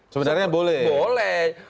sebenarnya boleh boleh